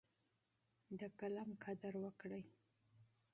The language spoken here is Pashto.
د قلم تقدس وساتئ.